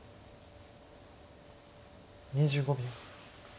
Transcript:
２５秒。